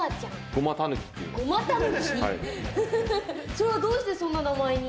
ごまたぬきそれはどうしてそんな名前に？